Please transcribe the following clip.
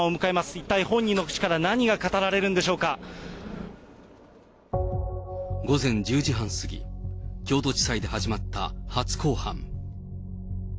一体、本人の口から午前１０時半過ぎ、京都地裁で始まった初公判。